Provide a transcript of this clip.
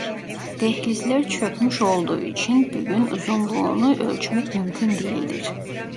Dehlizler çökmüş olduğu için bugün uzunluğunu ölçmek mümkün değildir.